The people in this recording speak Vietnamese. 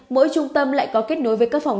mỗi trung tâm lại có kết nối với các phòng